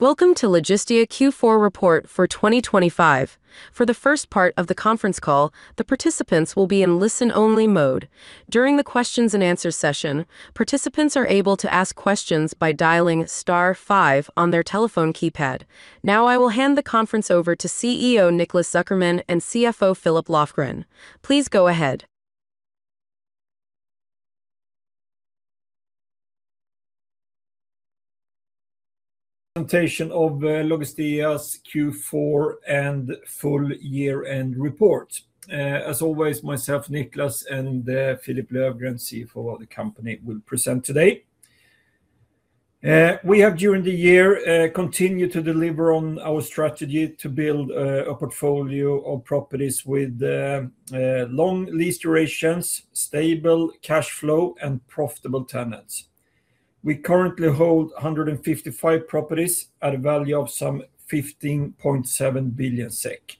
Welcome to Logistea Q4 report for 2025. For the first part of the conference call, the participants will be in listen-only mode. During the questions and answers session, participants are able to ask questions by dialing star five on their telephone keypad. Now, I will hand the conference over to CEO Niklas Zuckerman and CFO Philip Löfgren. Please go ahead. Presentation of Logistea's Q4 and full year-end report. As always, myself, Niklas, and Philip Löfgren, CFO of the company, will present today. We have, during the year, continued to deliver on our strategy to build a portfolio of properties with long lease durations, stable cash flow, and profitable tenants. We currently hold 155 properties at a value of some 15.7 billion SEK.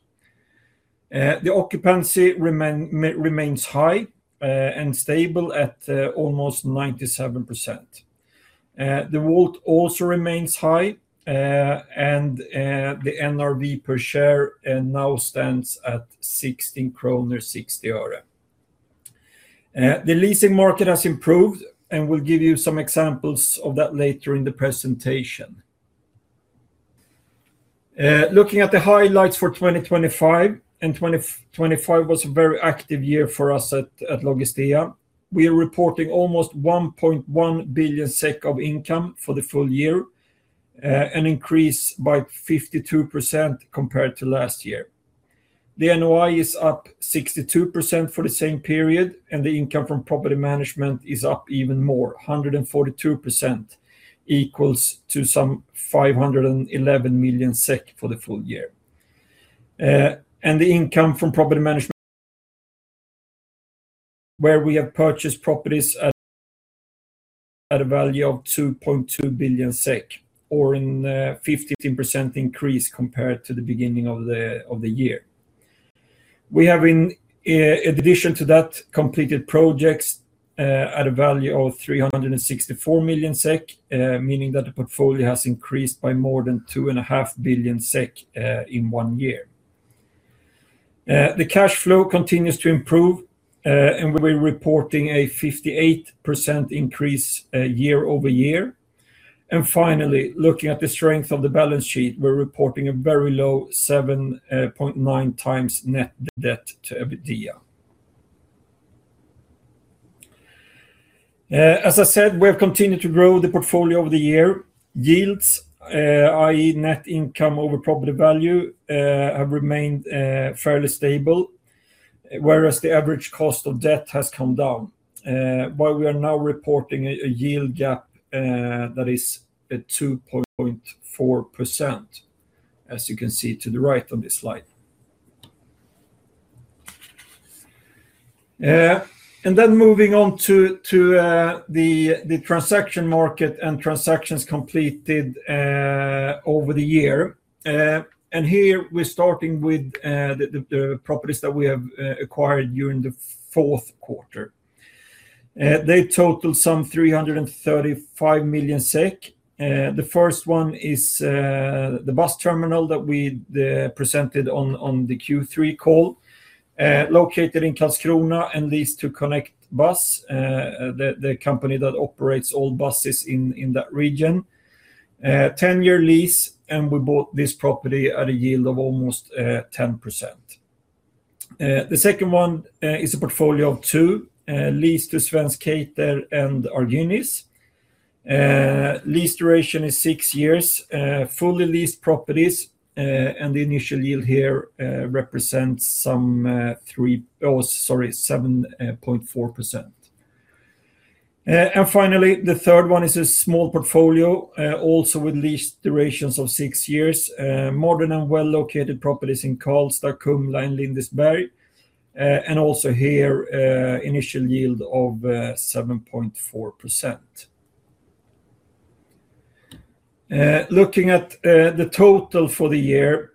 The occupancy remains high and stable at almost 97%. The WALT also remains high, and the NRV per share now stands at 16 kronor 60 öre. The leasing market has improved, and we'll give you some examples of that later in the presentation. Looking at the highlights for 2025, 2025 was a very active year for us at Logistea. We are reporting almost 1.1 billion SEK of income for the full year, an increase by 52% compared to last year. The NOI is up 62% for the same period, and the income from property management is up even more, 142%, equals to some 511 million SEK for the full year. The income from property management where we have purchased properties at a value of 2.2 billion SEK, or in a 15% increase compared to the beginning of the year. We have, in addition to that, completed projects at a value of 364 million SEK, meaning that the portfolio has increased by more than 2.5 billion SEK in one year. The cash flow continues to improve, and we're reporting a 58% increase, year-over-year. And finally, looking at the strength of the balance sheet, we're reporting a very low 7.9 times net debt to EBITDA. As I said, we have continued to grow the portfolio over the year. Yields, i.e., net income over property value, have remained fairly stable, whereas the average cost of debt has come down. But we are now reporting a yield gap that is at 2.4%, as you can see to the right on this slide. And then moving on to the transaction market and transactions completed over the year. And here, we're starting with the properties that we have acquired during the fourth quarter. They total some 335 million SEK. The first one is the bus terminal that we presented on the Q3 call. Located in Karlskrona and leased to Connect Bus, the company that operates all buses in that region. 10-year lease, and we bought this property at a yield of almost 10%. The second one is a portfolio of two leased to Svenska Cater and Ahlsell. Lease duration is six years, fully leased properties, and the initial yield here represents some three... Oh, sorry, 7.4%. And finally, the third one is a small portfolio, also with lease durations of six years, modern and well-located properties in Karlstad, Kumla, and Lindesberg. And also here, initial yield of 7.4%. Looking at the total for the year,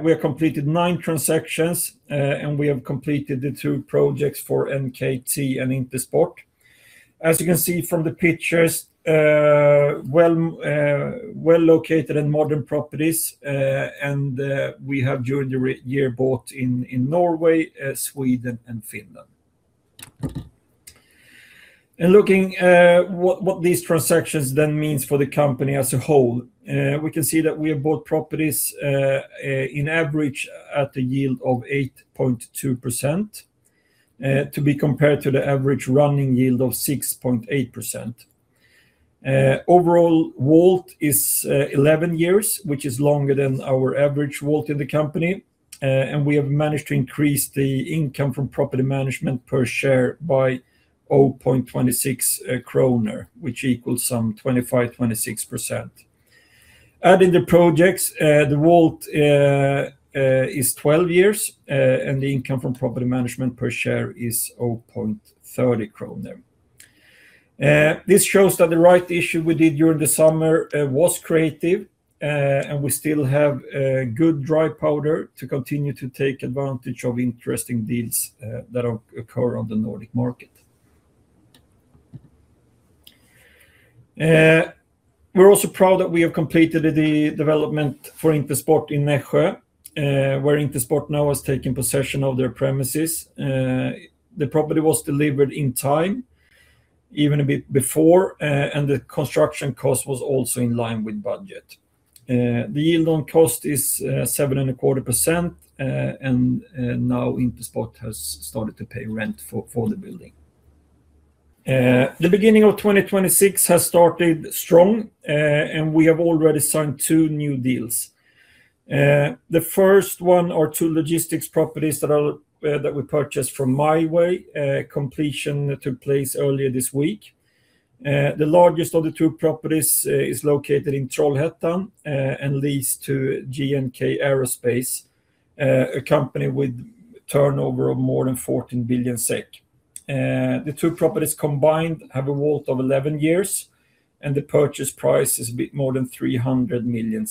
we have completed 9 transactions, and we have completed the 2 projects for NKT and Intersport. As you can see from the pictures, well, well-located and modern properties, and we have, during the year, bought in Norway, Sweden, and Finland. And looking what these transactions then means for the company as a whole, we can see that we have bought properties in average at a yield of 8.2%, to be compared to the average running yield of 6.8%. Overall, WALT is 11 years, which is longer than our average WALT in the company. And we have managed to increase the income from property management per share by 0.26 kronor, which equals some 25-26%. Adding the projects, the WALT is 12 years, and the income from property management per share is 0.30 kronor. This shows that the Rights Issue we did during the summer was creative, and we still have good dry powder to continue to take advantage of interesting deals that occur on the Nordic market. We're also proud that we have completed the development for Intersport in Nässjö, where Intersport now has taken possession of their premises. The property was delivered in time, even a bit before, and the construction cost was also in line with budget. The yield on cost is 7.25%, and now Intersport has started to pay rent for the building. The beginning of 2026 has started strong, and we have already signed two new deals. The first one are two logistics properties that we purchased from M2. Completion took place earlier this week. The largest of the two properties is located in Trollhättan and leased to GKN Aerospace, a company with turnover of more than 14 billion SEK. The two properties combined have a WALT of 11 years, and the purchase price is a bit more than 300 million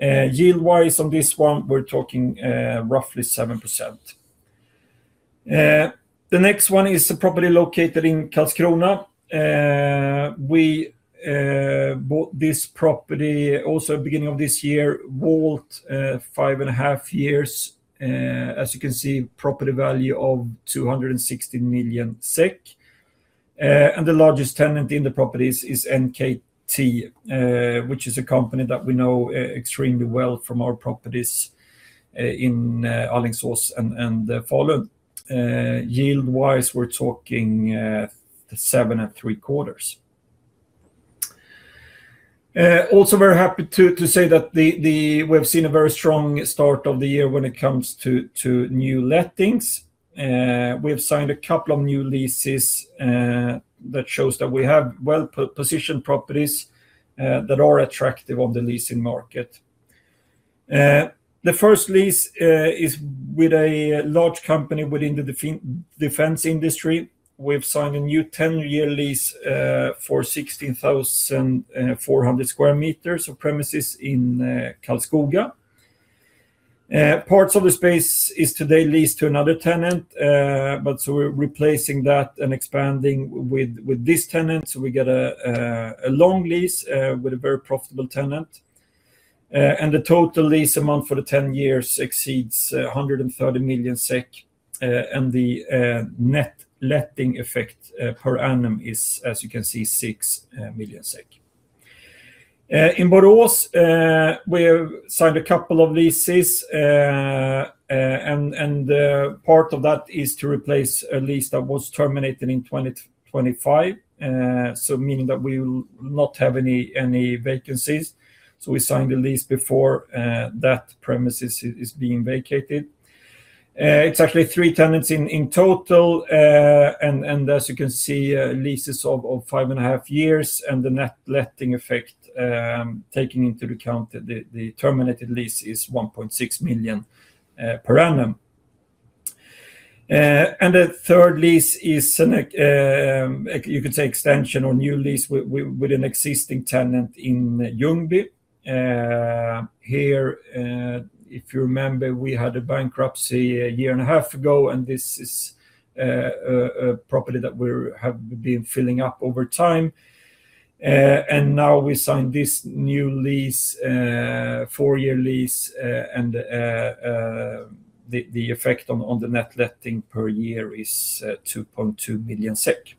SEK. Yield-wise on this one, we're talking roughly 7%. The next one is a property located in Karlskrona. We bought this property also beginning of this year. WALT 5.5 years. As you can see, property value of 216 million SEK. And the largest tenant in the properties is NKT, which is a company that we know extremely well from our properties in Alingsås and Falun. Yield-wise, we're talking 7.75. Also very happy to say that we have seen a very strong start of the year when it comes to new lettings. We have signed a couple of new leases that shows that we have well-positioned properties that are attractive on the leasing market. The first lease is with a large company within the defense industry. We've signed a new ten-year lease for 16,400 square meters of premises in Karlskoga. Parts of the space is today leased to another tenant, but so we're replacing that and expanding with this tenant. So we get a long lease with a very profitable tenant. And the total lease amount for the ten years exceeds 130 million SEK, and the net letting effect per annum is, as you can see, 6 million SEK. In Borås, we have signed a couple of leases, and part of that is to replace a lease that was terminated in 2025. So meaning that we will not have any vacancies, so we signed the lease before that premises is being vacated. It's actually three tenants in total. And as you can see, leases of 5.5 years, and the net letting effect, taking into account the terminated lease, is 1.6 million per annum. And the third lease is an extension or new lease with an existing tenant in Ljungby. Here, if you remember, we had a bankruptcy a year and a half ago, and this is a property that we have been filling up over time. And now we signed this new lease, four-year lease, and the effect on the net letting per year is 2.2 million SEK.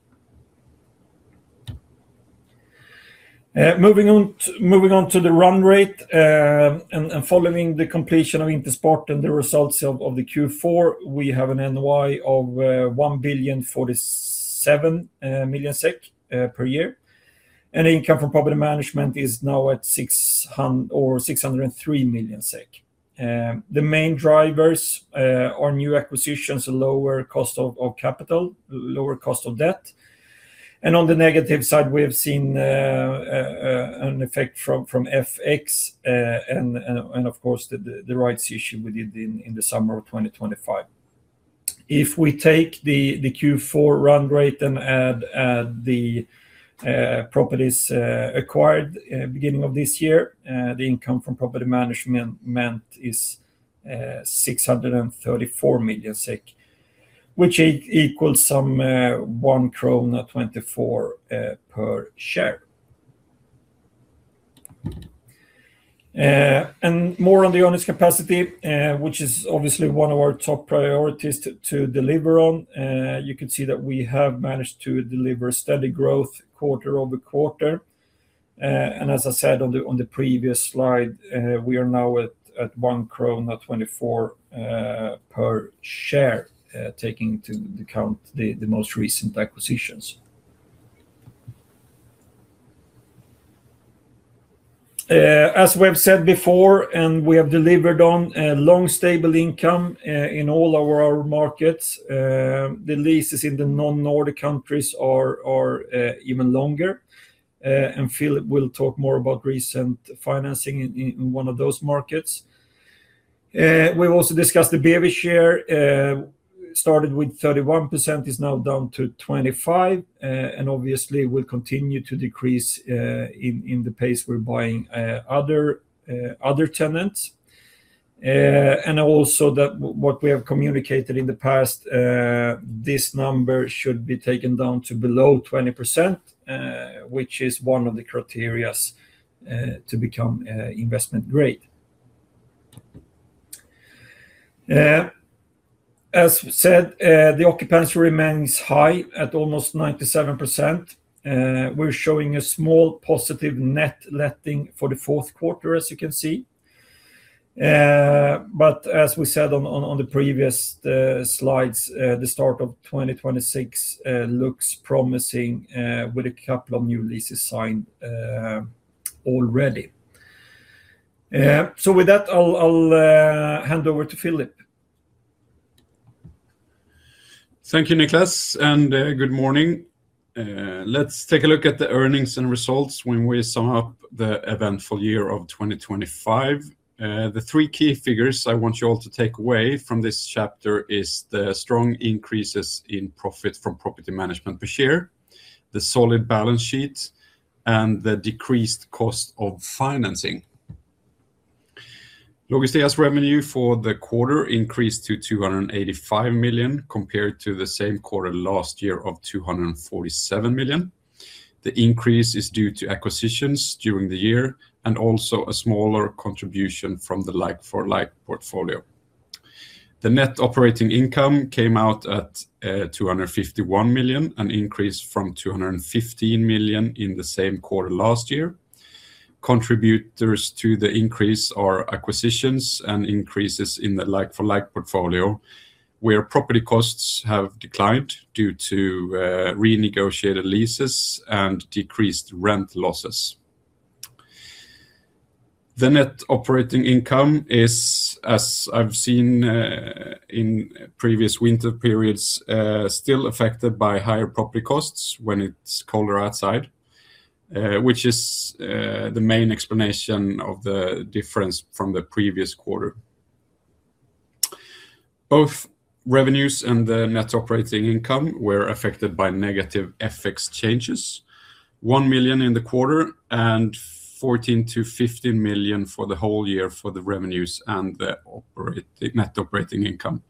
Moving on to... Moving on to the run rate, and following the completion of Intersport and the results of the Q4, we have an NOI of 1,047 million SEK per year. And income from property management is now at 603 million SEK. The main drivers are new acquisitions, a lower cost of capital, lower cost of debt, and on the negative side, we have seen an effect from FX, and of course, the Rights Issue we did in the summer of 2025. If we take the Q4 run rate and add the properties acquired beginning of this year, the income from property management is 634 million SEK, which equals some 1.24 krona per share. More on the earnings capacity, which is obviously one of our top priorities to deliver on. You can see that we have managed to deliver steady growth quarter-over-quarter. And as I said on the previous slide, we are now at 1.24 crown per share, taking into account the most recent acquisitions. As we have said before, and we have delivered on long, stable income in all our markets. The leases in the non-Nordic countries are even longer, and Philip will talk more about recent financing in one of those markets. We've also discussed the Bevi share, started with 31%, is now down to 25%, and obviously will continue to decrease in the pace we're buying other tenants. And also that what we have communicated in the past, this number should be taken down to below 20%, which is one of the criteria to become investment grade. As said, the occupancy remains high at almost 97%. We're showing a small positive net letting for the fourth quarter, as you can see. But as we said on the previous slides, the start of 2026 looks promising, with a couple of new leases signed already. So with that, I'll hand over to Philip. Thank you, Niklas, and, good morning. Let's take a look at the earnings and results when we sum up the eventful year of 2025. The three key figures I want you all to take away from this chapter is the strong increases in profit from property management per share, the solid balance sheet, and the decreased cost of financing. Logistea revenue for the quarter increased to 285 million, compared to the same quarter last year of 247 million. The increase is due to acquisitions during the year, and also a smaller contribution from the like-for-like portfolio. The net operating income came out at, 251 million, an increase from 215 million in the same quarter last year. Contributors to the increase are acquisitions and increases in the like-for-like portfolio, where property costs have declined due to renegotiated leases and decreased rent losses. The net operating income is, as I've seen, in previous winter periods, still affected by higher property costs when it's colder outside, which is the main explanation of the difference from the previous quarter. Both revenues and the net operating income were affected by negative FX changes. 1 million in the quarter, and 14 million-15 million for the whole year for the revenues and the net operating income.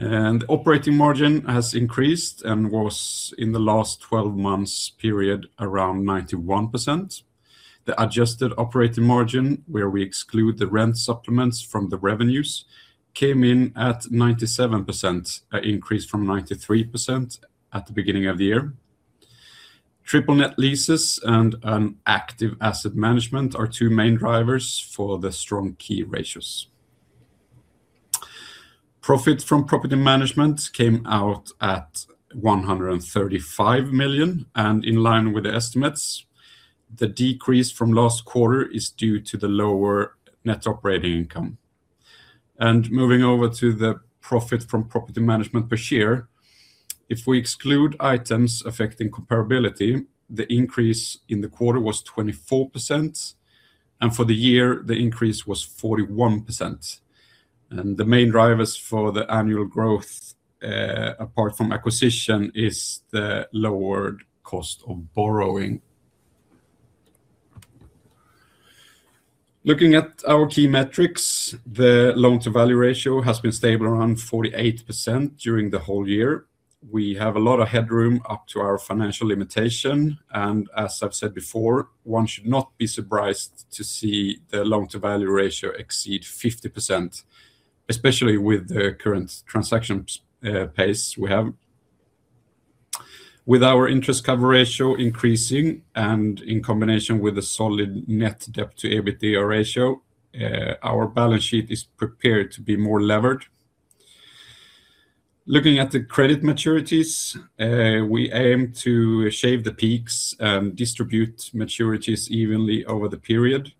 Operating margin has increased and was, in the last 12 months period, around 91%. The adjusted operating margin, where we exclude the rent supplements from the revenues, came in at 97%, an increase from 93% at the beginning of the year. Triple net leases and an active asset management are two main drivers for the strong key ratios. Profit from property management came out at 135 million, and in line with the estimates, the decrease from last quarter is due to the lower net operating income. Moving over to the profit from property management per share, if we exclude items affecting comparability, the increase in the quarter was 24%, and for the year, the increase was 41%. The main drivers for the annual growth, apart from acquisition, is the lower cost of borrowing. Looking at our key metrics, the loan-to-value ratio has been stable around 48% during the whole year. We have a lot of headroom up to our financial limitation, and as I've said before, one should not be surprised to see the loan-to-value ratio exceed 50%, especially with the current transaction pace we have. With our interest cover ratio increasing and in combination with a solid net debt-to-EBITDA ratio, our balance sheet is prepared to be more levered. Looking at the credit maturities, we aim to shave the peaks and distribute maturities evenly over the period.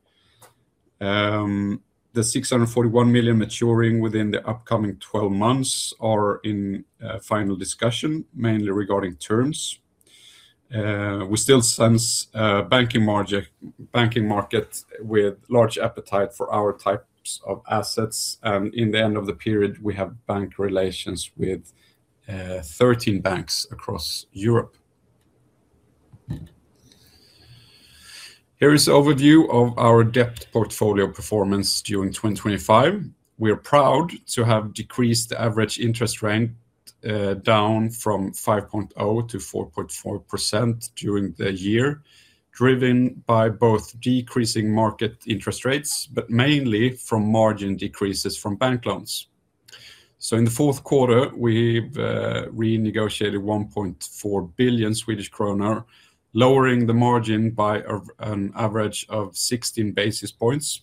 The 641 million maturing within the upcoming 12 months are in final discussion, mainly regarding terms. We still sense a banking market with large appetite for our types of assets, and in the end of the period, we have bank relations with 13 banks across Europe. Here is an overview of our debt portfolio performance during 2025. We are proud to have decreased the average interest rate down from 5.0% to 4.4% during the year, driven by both decreasing market interest rates, but mainly from margin decreases from bank loans. So in the fourth quarter, we've renegotiated 1.4 billion Swedish kronor, lowering the margin by an average of 16 basis points.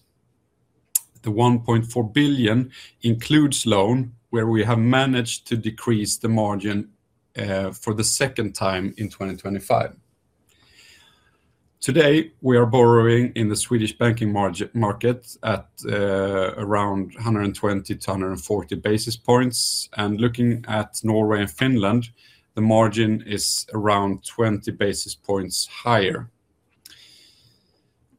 The 1.4 billion includes loan, where we have managed to decrease the margin for the second time in 2025. Today, we are borrowing in the Swedish banking market at around 120-140 basis points, and looking at Norway and Finland, the margin is around 20 basis points higher.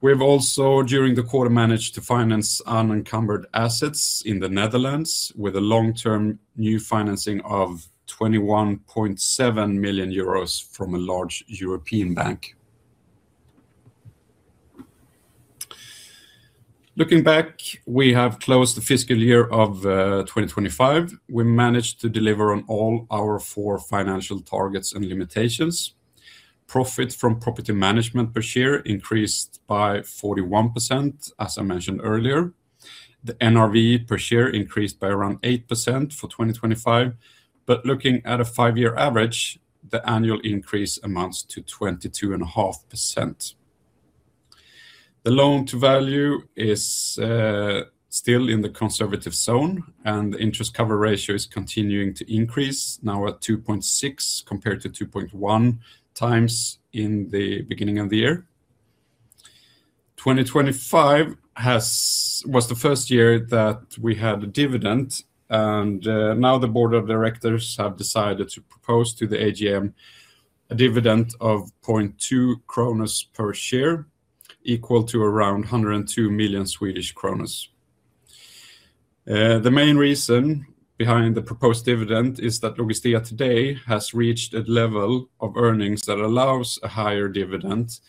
We've also, during the quarter, managed to finance unencumbered assets in the Netherlands with a long-term new financing of 21.7 million euros from a large European bank. Looking back, we have closed the fiscal year of 2025. We managed to deliver on all our four financial targets and limitations. Profit from property management per share increased by 41%, as I mentioned earlier. The NRV per share increased by around 8% for 2025, but looking at a five-year average, the annual increase amounts to 22.5%. The loan-to-value is still in the conservative zone, and the interest cover ratio is continuing to increase, now at 2.6, compared to 2.1 times in the beginning of the year. 2025 was the first year that we had a dividend, and now the board of directors have decided to propose to the AGM a dividend of 0.2 SEK per share, equal to around 102 million. The main reason behind the proposed dividend is that Logistea today has reached a level of earnings that allows a higher dividend,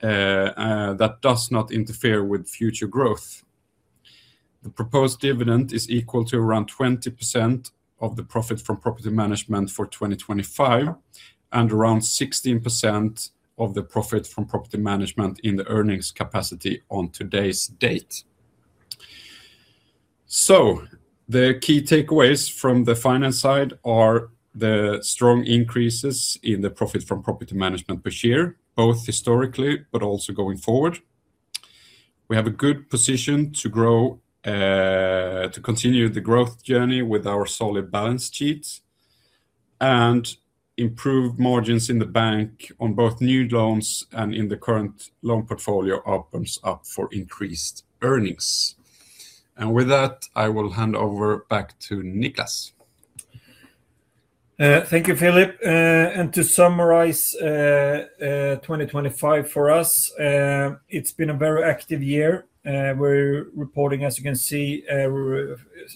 that does not interfere with future growth. The proposed dividend is equal to around 20% of the profit from property management for 2025, and around 16% of the profit from property management in the earnings capacity on today's date. So the key takeaways from the finance side are the strong increases in the profit from property management per share, both historically, but also going forward. We have a good position to grow, to continue the growth journey with our solid balance sheet, and improve margins in the bank on both new loans and in the current loan portfolio opens up for increased earnings. And with that, I will hand over back to Niklas. Thank you, Philip. And to summarize, 2025 for us, it's been a very active year. We're reporting, as you can see,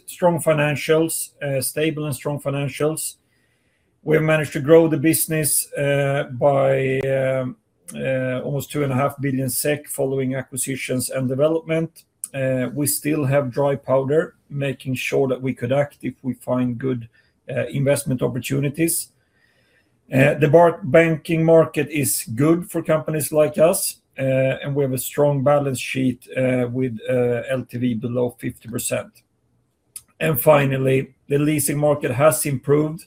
strong financials, stable and strong financials. We managed to grow the business by almost 2.5 billion SEK, following acquisitions and development. We still have dry powder, making sure that we could act if we find good investment opportunities. The banking market is good for companies like us, and we have a strong balance sheet with LTV below 50%. And finally, the leasing market has improved,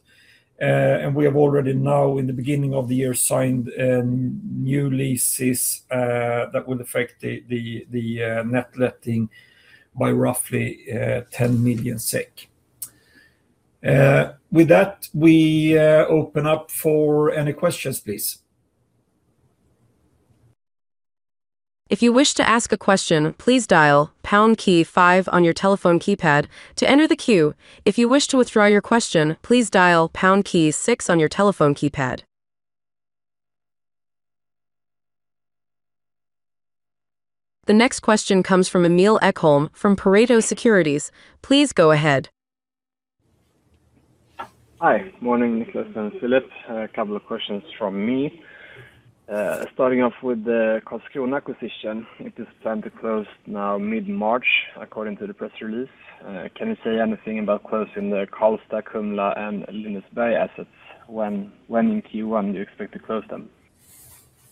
and we have already now, in the beginning of the year, signed new leases that will affect the net letting by roughly 10 million SEK. With that, we open up for any questions, please. If you wish to ask a question, please dial pound key five on your telephone keypad to enter the queue. If you wish to withdraw your question, please dial pound key six on your telephone keypad. The next question comes from Emil Ekholm from Pareto Securities. Please go ahead. Hi. Morning, Niklas and Philip. A couple of questions from me. Starting off with the Karlskrona acquisition, it is time to close now mid-March, according to the press release. Can you say anything about closing the Karlstad, Kumla, and Lindesberg assets? When in Q1 do you expect to close them?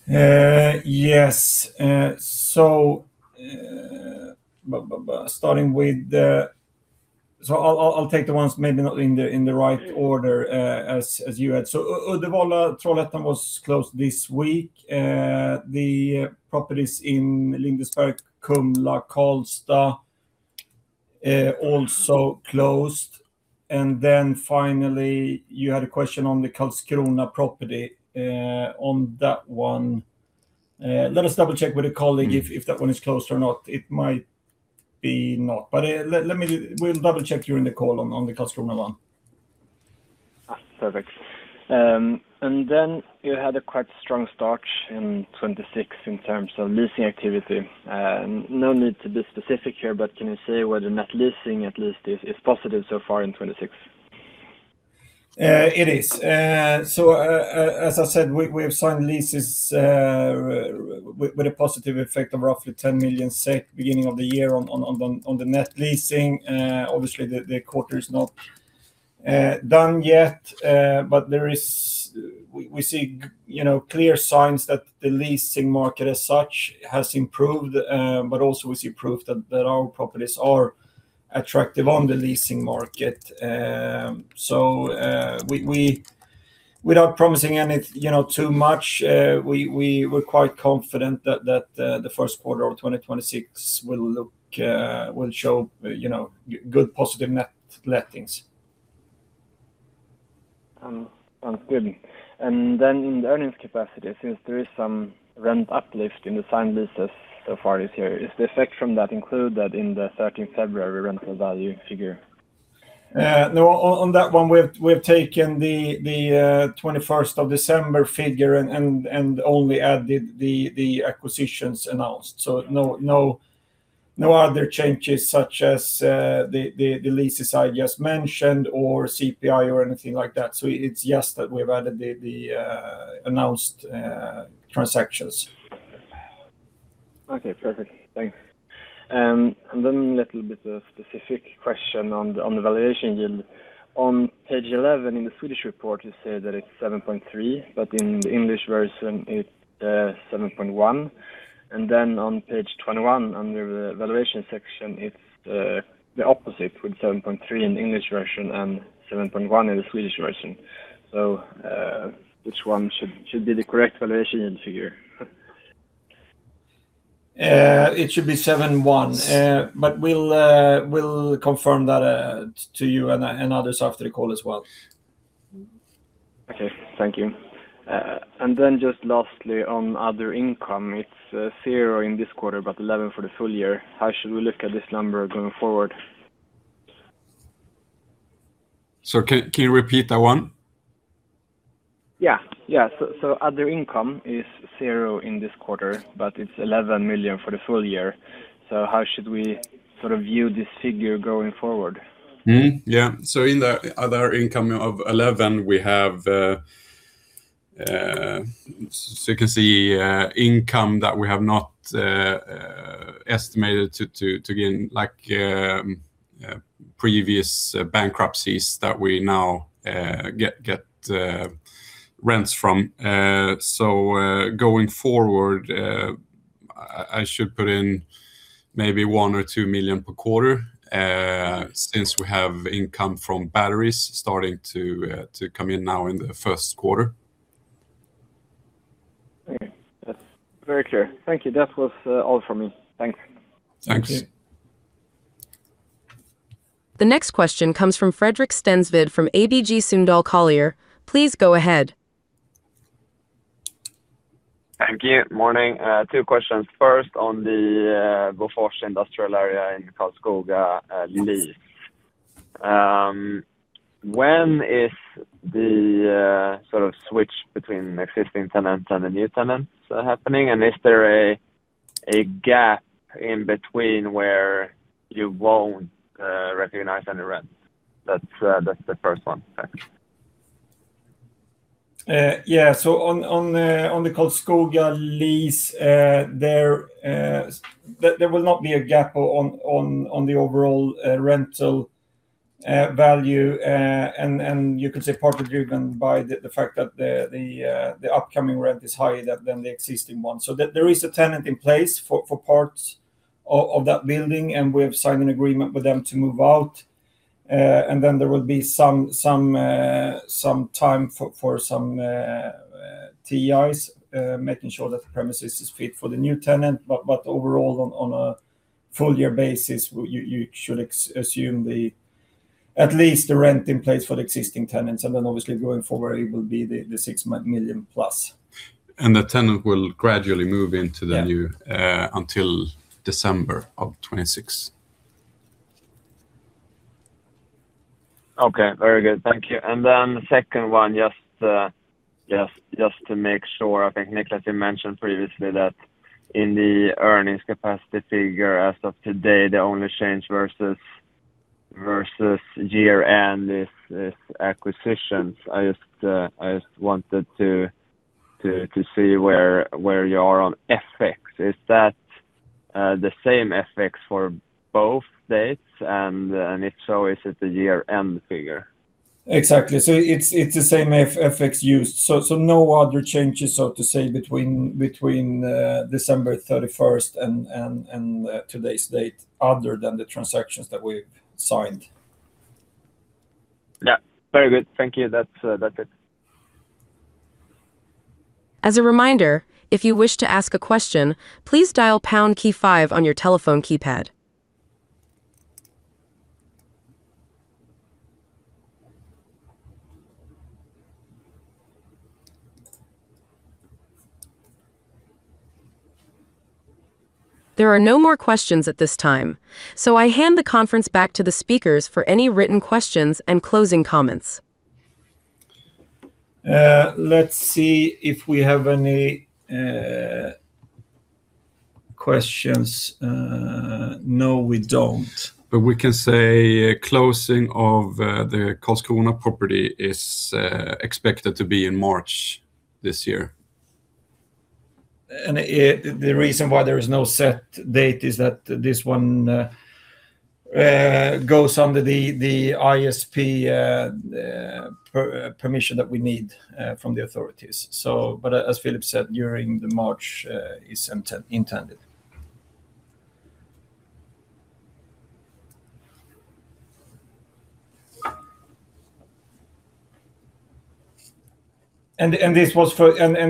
Yes. So, starting with the.. So I'll take the ones maybe not in the right order, as you had. So Örebro, Trollhättan was closed this week. The properties in Lindesberg, Kumla, Karlstad also closed. And then finally, you had a question on the Karlskrona property. On that one, let us double-check with a colleague if that one is closed or not. It might be not, but let me... We'll double-check during the call on the Karlskrona one. Ah, perfect. Then you had a quite strong start in 2026 in terms of leasing activity. No need to be specific here, but can you say whether net letting at least is positive so far in 2026? It is. So, as I said, we have signed leases with a positive effect of roughly 10 million SEK, beginning of the year on the net leasing. Obviously, the quarter is not done yet, but there is. We see, you know, clear signs that the leasing market as such has improved, but also is improved that that our properties are attractive on the leasing market. So, we, without promising any, you know, too much, we're quite confident that that the first quarter of 2026 will look, will show, you know, good positive net lettings. Sounds good. And then in the earnings capacity, since there is some rent uplift in the signed leases so far this year, is the effect from that include that in the 13th February rental value figure? No, on that one, we've taken the twenty-first of December figure and only added the acquisitions announced. So no other changes such as the leases I just mentioned or CPI or anything like that. So it's just that we've added the announced transactions. Okay, perfect. Thanks. And then a little bit of specific question on the, on the valuation yield. On page 11 in the Swedish report, you say that it's 7.3, but in the English version it's 7.1, and then on page 21, under the valuation section, it's the opposite, with 7.3 in the English version and 7.1 in the Swedish version. So, which one should be the correct valuation figure? It should be 71. But we'll confirm that to you and others after the call as well. Okay. Thank you. And then just lastly, on other income, it's 0 in this quarter, but 11 for the full year. How should we look at this number going forward? So, can you repeat that one? Yeah. Yeah, so, so other income is 0 in this quarter, but it's 11 million for the full year. So how should we sort of view this figure going forward? Yeah. So in the other income of 11, we have. So you can see income that we have not estimated to gain, like previous bankruptcies that we now get rents from. So going forward, I should put in maybe 1-2 million per quarter, since we have income from batteries starting to come in now in the first quarter. Okay. That's very clear. Thank you. That was all from me. Thanks. Thanks. Thank you. The next question comes from Fredrik Stensved from ABG Sundal Collier. Please go ahead. Thank you. Morning. Two questions. First, on the Bofors industrial area in Karlskoga, lease. When is the sort of switch between existing tenants and the new tenants happening? And is there a gap in between where you won't recognize any rents? That's the first one. Thanks. Yeah. So on the Karlskoga lease, there will not be a gap on the overall rental value, and you could say partly driven by the fact that the upcoming rent is higher than the existing one. So there is a tenant in place for parts of that building, and we have signed an agreement with them to move out. And then there will be some time for some TIs, making sure that the premises is fit for the new tenant. But overall, on a full year basis, you should assume at least the rent in place for the existing tenants, and then obviously going forward, it will be the 6 million plus. The tenant will gradually move into the... Yeah. new, until December of 2026. Okay. Very good, thank you. And then the second one, just to make sure, I think Niklas, you mentioned previously that in the earnings capacity figure, as of today, the only change versus year-end is acquisitions. I just wanted to see where you are on FX. Is that the same FX for both dates? And if so, is it the year-end figure? Exactly. So it's the same FX used. So no other changes, so to say, between December thirty-first and today's date, other than the transactions that we've signed. Yeah. Very good. Thank you. That's, that's it. As a reminder, if you wish to ask a question, please dial pound key five on your telephone keypad. There are no more questions at this time, so I hand the conference back to the speakers for any written questions and closing comments. Let's see if we have any questions. No, we don't. We can say closing of the Karlskoga property is expected to be in March this year. The reason why there is no set date is that this one goes under the ISP permission that we need from the authorities. But as Philip said, during the March is intended. And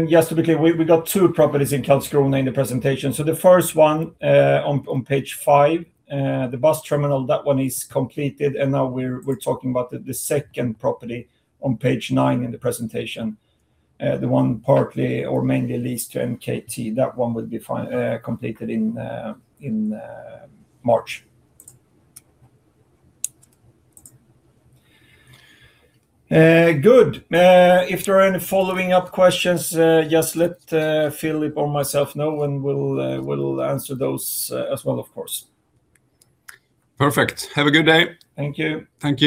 just to be clear, we got 2 properties in Karlskoga in the presentation. So the first one on page 5, the bus terminal, that one is completed, and now we're talking about the second property on page 9 in the presentation. The one partly or mainly leased to NKT, that one will be completed in March. Good. If there are any follow-up questions, just let Philip or myself know, and we'll answer those as well, of course. Perfect. Have a good day. Thank you. Thank you.